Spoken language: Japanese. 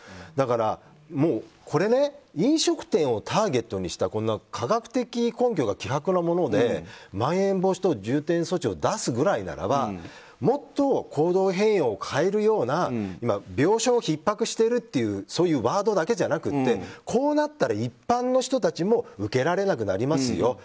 だから飲食店をターゲットにした科学的根拠が希薄なものでまん延防止等重点措置を出すくらいならばもっと行動変容を変えるような病床ひっ迫しているというそういうワードだけななくてこうなったら、一般の人たちも受けられなくなりますよ。